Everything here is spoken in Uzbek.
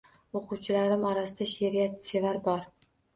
O‘quvchilarim orasida she’riyat sevar bor.